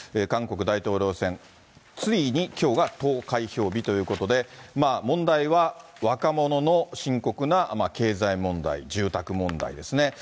韓国大統領選、ついにきょうが投開票日ということで、問題は若者の深刻な経済問題、住宅問題ですね。